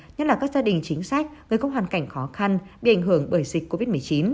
nhất là các gia đình chính sách người có hoàn cảnh khó khăn bị ảnh hưởng bởi dịch covid một mươi chín